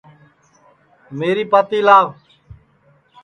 میری پاتی لاو